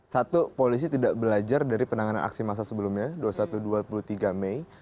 satu polisi tidak belajar dari penanganan aksi masa sebelumnya dua puluh satu dua puluh tiga mei